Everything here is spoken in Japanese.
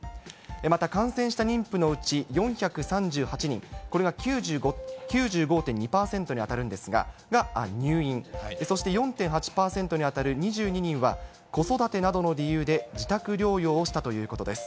また感染した妊婦のうち４３８人、これは９５．２％に当たるんですが、入院、そして４．８％に当たる２２人は、子育てなどの理由で自宅療養をしたということです。